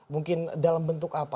mungkin dalam bentuk apa